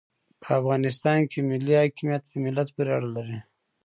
په افغانستان کې ملي حاکمیت په ملت پوري اړه لري.